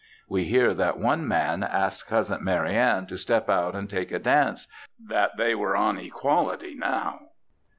We hear that one man asked Cousin Marianne to step out and take a dance, that they were on equality now.